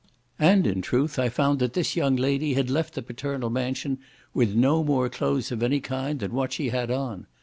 And in truth I found that this young lady had left the paternal mansion with no more clothes of any kind than what she had on.